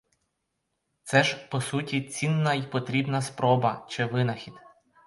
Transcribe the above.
Це ж, по суті, цінна й потрібна спроба чи винахід.